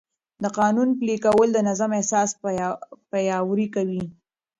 د قانون پلي کول د نظم احساس پیاوړی کوي.